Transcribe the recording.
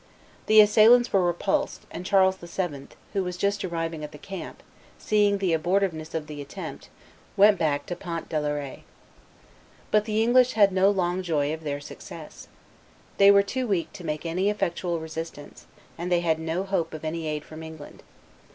The assailants were repulsed; and Charles VII., who was just arriving at the camp, seeing the abortiveness of the attempt, went back to Pont de l'Arehe. But the English had no long joy of their success. They were too weak to make any effectual resistance, and they had no hope of any aid from England.